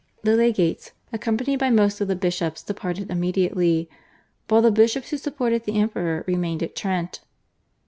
The legates accompanied by most of the bishops departed immediately, while the bishops who supported the Emperor remained at Trent.